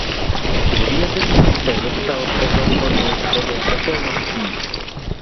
Z vězení se dostal pozoruhodnou shodou okolností.